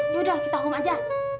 yaudah kita home aja